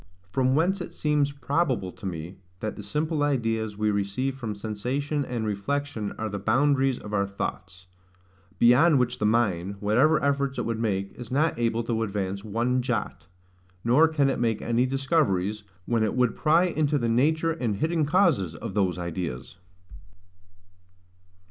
From whence it seems probable to me, that the simple ideas we receive from sensation and reflection are the boundaries of our thoughts; beyond which the mind, whatever efforts it would make, is not able to advance one jot; nor can it make any discoveries, when it would pry into the nature and hidden causes of those ideas.